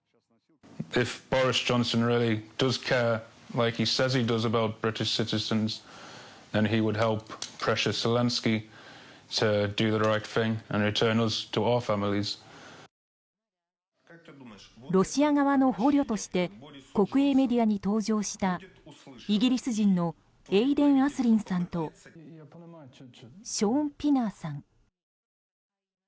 ロシア側の捕虜として国営メディアに登場したイギリス人のエイデン・アスリンさんとショーン・ピナーさん。